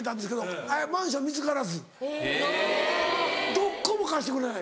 どこも貸してくれない。